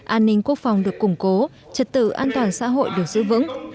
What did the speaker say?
an ninh quốc phòng được củng cố trật tự an toàn xã hội được giữ vững